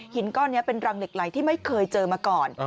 ก้อนนี้เป็นรังเหล็กไหลที่ไม่เคยเจอมาก่อน